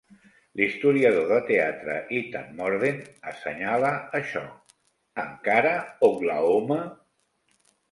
L'historiador de teatre Ethan Mordden assenyala això, "encara Oklahoma"!